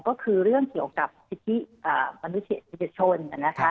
ก็คือเรื่องเกี่ยวกับที่พี่มนุษย์เชิดชน